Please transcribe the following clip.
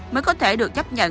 mới có thể được chấp nhận